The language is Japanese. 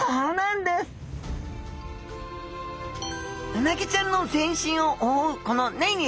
うなぎちゃんの全身を覆うこの粘液。